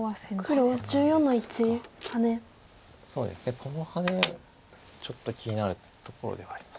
このハネちょっと気になるところではあります。